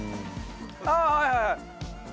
ああはいはいはい。